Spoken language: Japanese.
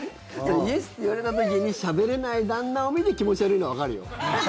イエスって言われた時にしゃべれない旦那を見て気持ち悪いのはわかるよ。